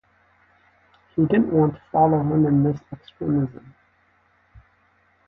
He didn't want to follow him in this extremism.